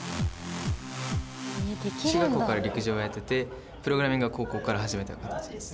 中学校から陸上をやっててプログラミングは高校から始めた形です。